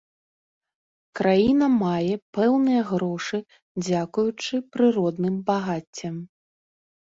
Краіна мае пэўныя грошы дзякуючы прыродным багаццям.